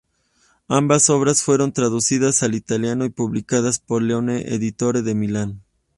Ambas obras fueron traducidas al italiano y publicadas por Leone Editore, de Milán.